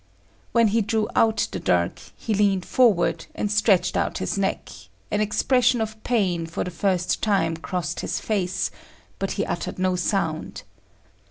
When he drew out the dirk, he leaned forward and stretched out his neck; an expression of pain for the first time crossed his face, but he uttered no sound.